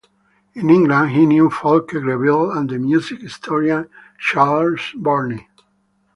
In England he knew Fulke Greville and the music historian Charles Burney.